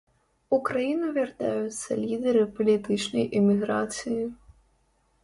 У краіну вяртаюцца лідары палітычнай эміграцыі.